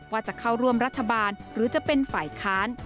ว่าจะเข้าร่วมรัฐบาลหรือจะเป็นฝ่ายค้าน